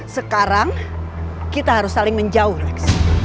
sekarang kita harus saling menjauh rex